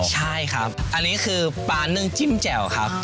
ใช่ครับอันนี้คือปลานึ่งจิ้มแจ่วครับ